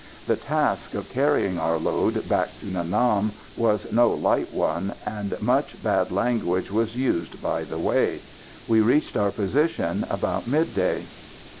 The task of carrying our load back to Nha Nam was no light one, and much bad language was used by the way. We reached our position about midday.